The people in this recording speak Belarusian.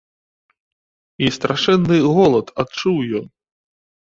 І страшэнны голад адчуў ён.